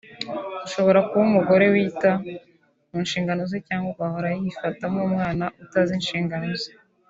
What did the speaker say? ashobora kuba umugore wita ku nshingano ze cyangwa agahora yifata nk’umwana utazi inshingano ze